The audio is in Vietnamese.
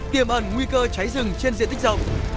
tiềm ẩn nguy cơ cháy nổ